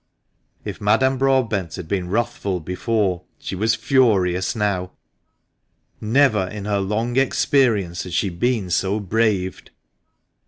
If Madame Broadbent had been wrathful before she was furious now. Never in her long experience had she been so braved.